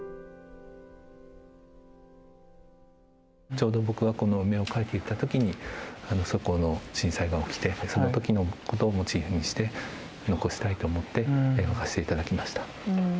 ちょうど僕がこの梅を描いていた時にそこの震災が起きてその時のことをモチーフにして残したいと思って描かせて頂きました。